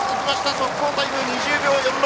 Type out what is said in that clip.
速報タイム２０秒４６。